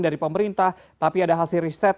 dari pemerintah tapi ada hasil riset